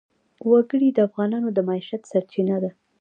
وګړي د افغانانو د معیشت سرچینه ده.